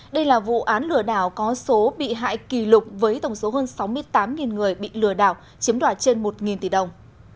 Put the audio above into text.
đây là vụ án lừa đảo có số bị hại kỷ lục với tổng số hơn sáu mươi tám người bị lừa đảo chiếm đoạt trên một tỷ đồng